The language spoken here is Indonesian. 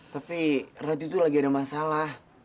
tapi waktu itu lagi ada masalah